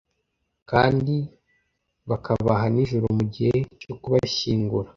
kandi bakabaha nijuru mu gihe cyo kubashyingura